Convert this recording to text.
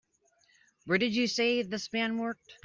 Where did you say this man worked?